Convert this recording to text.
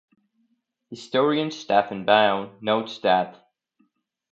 Historian Stephen Bown notes that, ...